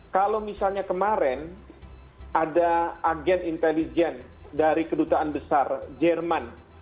kalau misalnya kemarin ada agen intelijen dari kedutaan besar jerman